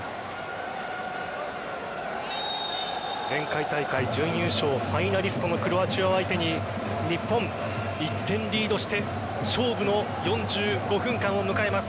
前回大会準優勝ファイナリストのクロアチアを相手に日本、１点リードして勝負の４５分間を迎えます。